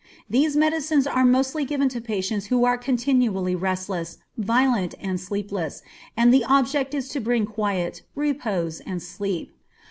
These medicines are mostly given to patients who are continually restless, violent, and sleepless, and the object is to bring quiet, repose, and sleep.